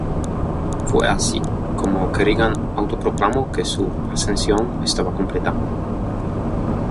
Fue así como Kerrigan auto proclamó que su Ascensión estaba completa.